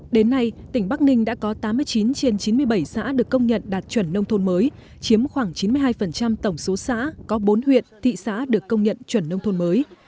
đến nay tỉnh bắc ninh đã có tám mươi chín trên chín mươi bảy xã được công nhận đạt chuẩn nông thôn mới chiếm khoảng chín mươi hai tổng số xã có bốn huyện thị xã được công nhận chuẩn nông thôn mới